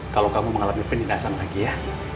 kalau kamu mengalami penindasan lagi ya